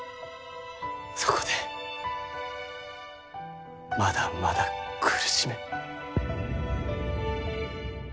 そこでまだまだ苦しめ。